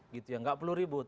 gitu ya nggak perlu ribut